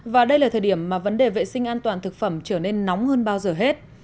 và đây là thời điểm mà vấn đề vệ sinh an toàn thực phẩm trở nên nóng hơn bao giờ hết